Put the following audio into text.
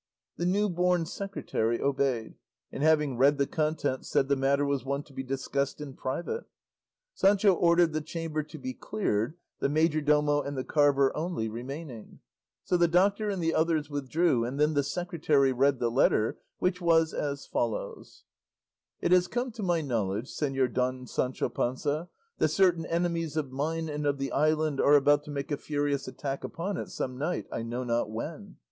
The new born secretary obeyed, and having read the contents said the matter was one to be discussed in private. Sancho ordered the chamber to be cleared, the majordomo and the carver only remaining; so the doctor and the others withdrew, and then the secretary read the letter, which was as follows: It has come to my knowledge, Señor Don Sancho Panza, that certain enemies of mine and of the island are about to make a furious attack upon it some night, I know not when.